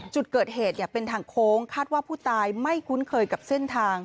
จุดเกิดเหตุเป็นทางโค้งคาดว่าผู้ตายไม่คุ้นเคยกับเส้นทาง